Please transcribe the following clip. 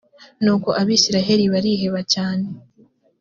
nuko abisirayeli bariheba cyane